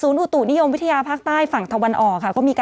ก็มีการประกาศบอกว่าฝนตกหนักด้วยนะคะ